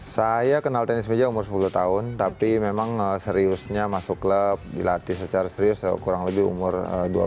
saya kenal tenis meja umur sepuluh tahun tapi memang seriusnya masuk klub dilatih secara serius kurang lebih umur dua belas tahun